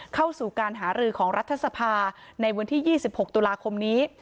เข้าสู่การหารือของรัฐสภาในวันที่๒๖ตุลาคมนี้